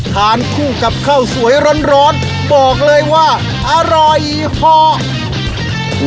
ทานคู่กับข้าวสวยร้อนบอกเลยว่าอร่อยพอ